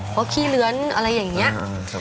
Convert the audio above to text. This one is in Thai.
เพราะขี้เลื้อนอะไรอย่างนี้